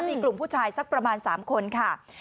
มีกลุ่มผู้ชายสักประมาณ๓คนค่ะ